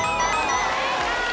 正解。